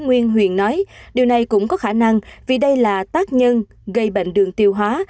nguyễn huyền nói điều này cũng có khả năng vì đây là tác nhân gây bệnh đường tiêu hóa